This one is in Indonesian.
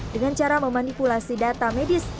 dengan cara memanipulasi data medis